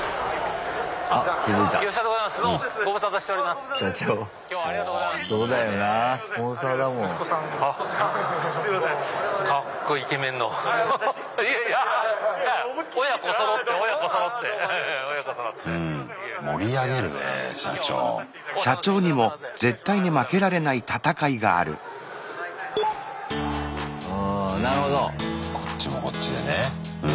こっちもこっちでね前哨戦だ。